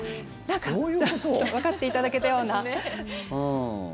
なんかわかっていただけたような。